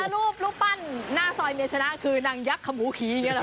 แล้วรูปปั้นหน้าซอยเมียชนะคือหนังยักษ์ขมูขี่